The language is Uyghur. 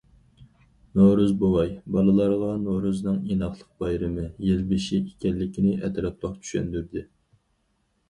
‹‹ نورۇز بوۋاي›› بالىلارغا نورۇزنىڭ ئىناقلىق بايرىمى، يىل بېشى ئىكەنلىكىنى ئەتراپلىق چۈشەندۈردى.